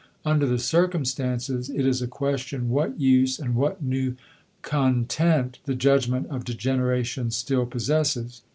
Under the circumstances, it is a question what use and what new content the judgment of "degeneration" still possesses.